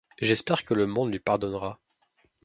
J'espère que le monde lui pardonnera.